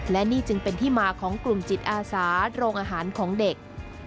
และนี่จึงเป็นที่มาของกลุ่มจิตอาสาโรงอาหารของเด็ก